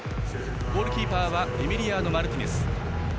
ゴールキーパーはエミリアーノ・マルティネス。